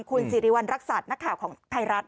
คุณสิริวัณรักษัตริย์นักข่าวของไทยรัฐ